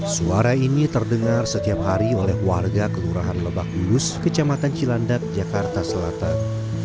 suara ini terdengar setiap hari oleh warga kelurahan lebak bulus kecamatan cilandak jakarta selatan